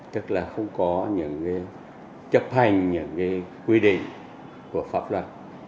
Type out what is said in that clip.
tức là không có những chấp hành những cái quy định của pháp luật